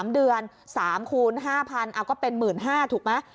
๓เดือน๓คูณ๕๐๐เอาก็เป็น๑๕๐๐ถูกไหม